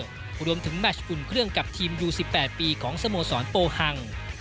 เพราะรวมถึงแมชอุ่นเครื่องกับทีมยู๑๘ปีของสมสรโปรฮังสติลเลอร์